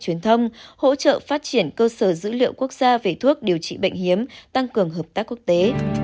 truyền thông hỗ trợ phát triển cơ sở dữ liệu quốc gia về thuốc điều trị bệnh hiếm tăng cường hợp tác quốc tế